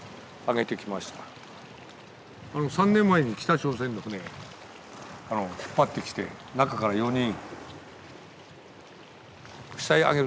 ３年前に北朝鮮の船引っ張ってきて中から４人。